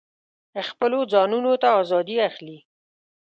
خپلو ځانونو ته آزادي اخلي.